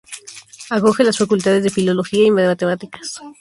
Acoge las facultades de Filología y de Matemáticas.